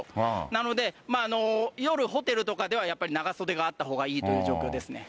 なので、夜ホテルとかでは、やっぱり長袖があったほうがいいという状況ですね。